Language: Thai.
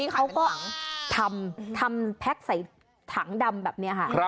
เขาก็ทำแพ็คใส่ถังดำแบบนี้ค่ะ